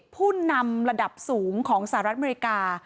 ผู้นำระดับสูงของสหรัฐอเมริกา